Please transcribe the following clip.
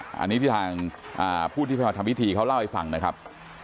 อันนี้ที่ทางผู้ที่มาทำพิธีเขาเล่าให้ฟังนะครับ